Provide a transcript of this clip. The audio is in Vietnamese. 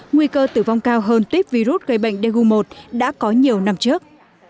nguy cơ tử vong cao hơn tuyết virus gây bệnh daegu một đã có nhiều năm trước